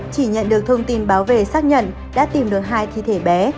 chỉ nhận được thông tin báo về xác nhận đã tìm được hai thi thể bé